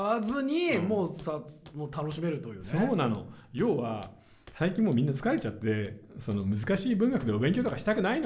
要は最近もうみんな疲れちゃって難しい文学のお勉強とかしたくないのよ。